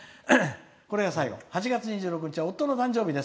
これが最後８月２６日は、夫の誕生日。